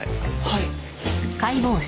はい。